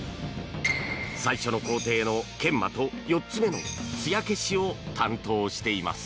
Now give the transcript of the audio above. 最初の工程の研磨と４つ目のつや消しを担当しています。